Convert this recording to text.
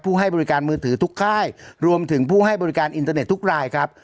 ให้บริการมือถือทุกค่ายรวมถึงผู้ให้บริการอินเทอร์เน็ตทุกรายครับ